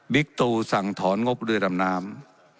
บลิเบ์คตอว์สั่งถอนงบเรือนธรรมนาฮท์